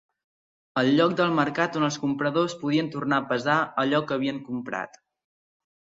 El lloc del mercat on els compradors podien tornar pesar allò que havien comprat.